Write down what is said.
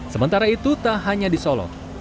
sementara itu tak hanya di solok